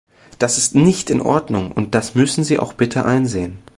Das ist nicht in Ordnung, und das müssen Sie auch bitte einsehen.